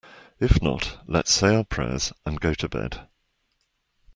If not, let's say our prayers and go to bed.